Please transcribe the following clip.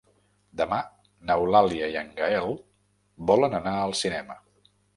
Demà n'Eulàlia i en Gaël volen anar al cinema.